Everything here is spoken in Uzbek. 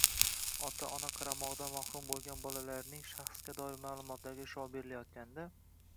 ota-ona qaramog‘idan mahrum bo‘lgan bolalarning shaxsga doir ma’lumotlariga ishlov berilayotganda